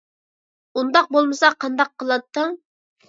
ئۇنداق بولمىساڭ قانداق قىلاتتىڭ؟